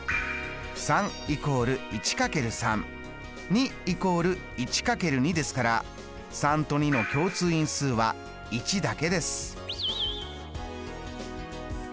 ３＝１×３２＝１×２ですから３と２の共通因数は１だけです。